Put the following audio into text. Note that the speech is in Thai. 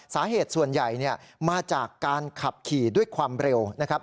สาเหตุส่วนใหญ่มาจากการขับขี่ด้วยความเร็วนะครับ